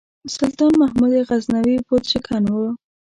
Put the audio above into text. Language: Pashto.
سلطان محمود غزنوي بُت شکن و.